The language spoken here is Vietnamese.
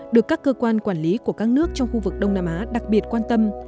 được các cơ quan quản lý của các nước trong khu vực đông nam á đặc biệt quan tâm